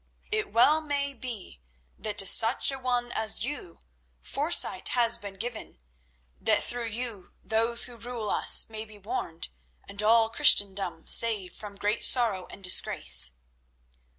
It well may be that to such a one as you foresight has been given, that through you those who rule us may be warned, and all Christendom saved from great sorrow and disgrace.